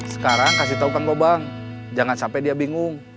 sekarang kasih tau kang gobang jangan sampai dia bingung